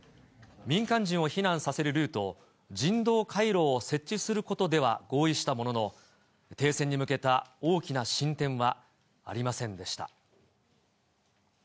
民間人を避難させるルート、人道回廊を設置することでは合意したものの、停戦に向けた大きな進展はありませんでした。